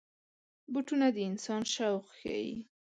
بوټونه د انسان شوق ښيي.